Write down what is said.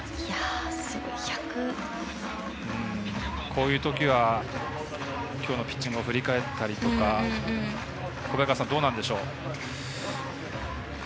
こういうときは、きょうのピッチングを振り返ったりとか小早川さん、どうなんでしょう？